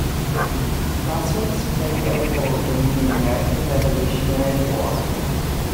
Crosswicks played a role during the American Revolutionary War.